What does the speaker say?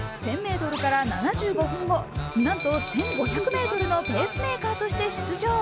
１０００ｍから７５分後なんと１５００ｍのペースメーカーとして出場。